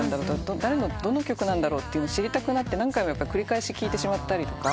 「誰のどの曲なんだろう？」と知りたくなって何回も繰り返し聴いてしまったりとか。